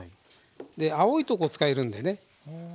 青いとこ使えるんでね。